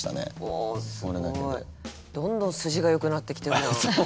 どんどん筋がよくなってきてるやん。